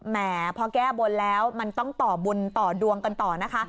แหมพอแก้บนแล้วมันต้องต่อบุญต่อดวงกันต่อนะคะ